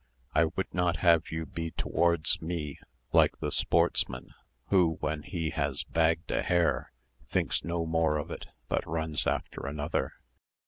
I would not have you be towards me like the sportsman, who when he has bagged a hare thinks no more of it, but runs after another.